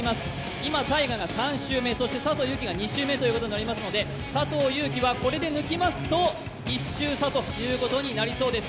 今、ＴＡＩＧＡが３周目、佐藤悠基が２周目になりますので佐藤悠基はこれで抜きますと１周差ということになりそうです。